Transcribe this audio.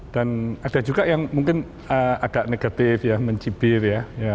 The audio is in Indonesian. dan ada juga yang mungkin agak negatif ya mencibir ya